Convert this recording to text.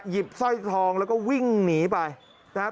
หยิบสร้อยทองแล้วก็วิ่งหนีไปนะฮะ